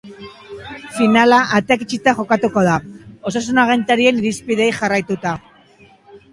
Finala ateak itxita jokatuko da, osasun agintarien irizpideei jarraituta.